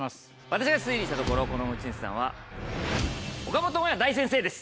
私が推理したところこの持ち主さんは岡本真夜大先生です。